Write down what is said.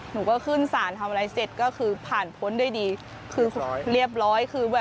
หนูก็ขึ้นศาลทำอะไรเสร็จก็คือผ่าผลด้วยดีเรียบร้อย